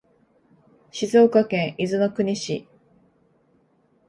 静岡県伊豆の国市